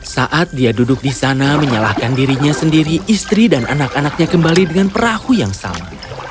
saat dia duduk di sana menyalahkan dirinya sendiri istri dan anak anaknya kembali dengan perahu yang sama